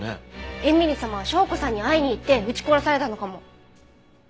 絵美里様は紹子さんに会いに行って撃ち殺されたのかも。